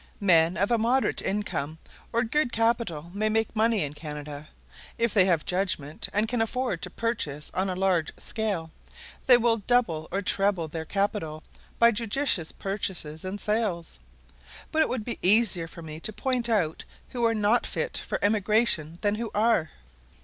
Men of a moderate income or good capital may make money in Canada. If they have judgment, and can afford to purchase on a large scale, they will double or treble their capital by judicious purchases and sales. But it would be easier for me to point out who are not fit for emigration than who are.